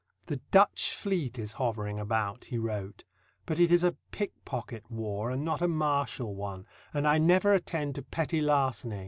"The Dutch fleet is hovering about," he wrote, "but it is a pickpocket war, and not a martial one, and I never attend to petty larceny."